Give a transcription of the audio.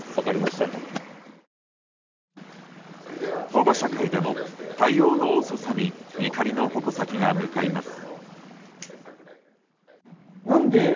保護者会でも、対応の遅さに怒りの矛先が向かいます。